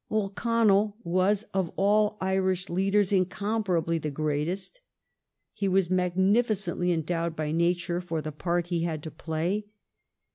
O'Connell was of all Irish leadei s incomparably the greatest. Daniel He was magnificently endowed by nature for the part he had to play.